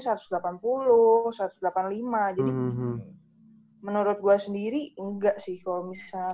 jadi menurut gua sendiri enggak sih kalo misalnya